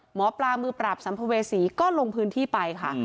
หมอปลามือปราบสัมภเวษีก็ลงพื้นที่ไปค่ะ